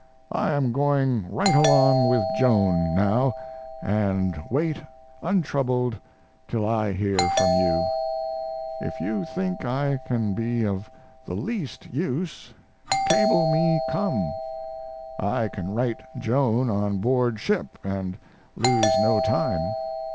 I am going right along with Joan now, and wait untroubled till I hear from you. If you think I can be of the least use cable me "Come." I can write Joan on board ship and lose no time.